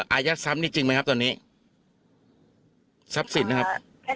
อายัดซับนี้จริงไหมครับตอนนี้ซับสิทธิ์นะครับ